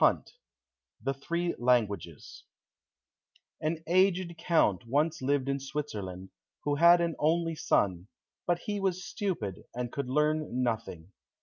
33 The Three Languages An aged count once lived in Switzerland, who had an only son, but he was stupid, and could learn nothing.